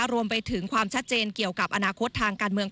รวมไปถึงความชัดเจนเกี่ยวกับอนาคตทางการเมือง